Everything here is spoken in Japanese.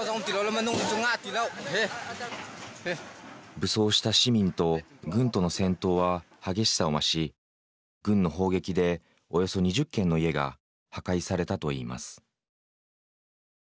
武装した市民と軍との戦闘は激しさを増し、軍の砲撃でおよそ２０軒の家が破壊されたといいます。